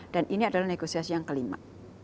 ini adalah negosiasi yang kelima